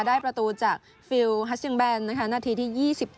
ได้ประตูจากฟิลฮัสเซียงแบนนะคะนาทีที่๒๗